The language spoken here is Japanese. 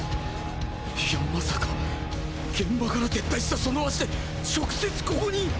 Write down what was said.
いやまさか現場から撤退したその足で直接ここに？